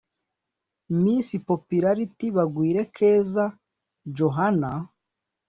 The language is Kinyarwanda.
Miss Popularity Bagwire Keza Joannah